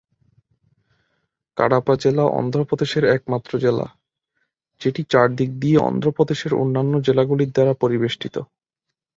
কাডাপা জেলা অন্ধ্রপ্রদেশের একমাত্র জেলা যেটি চারদিক দিয়ে অন্ধ্রপ্রদেশের অন্যান্য জেলাগুলির দ্বারা পরিবেষ্টিত।